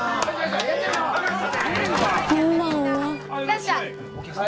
いらっしゃい。